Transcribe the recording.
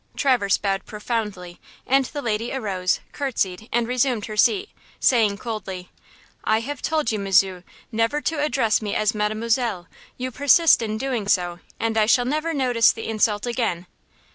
Traverse bowed profoundly, and the lady arose, curtsied and resumed her seat, saying, coldly: "I have told you, Monsieur, never to address me as Mademoiselle; you persist in doing so, and I shall never notice the insult again."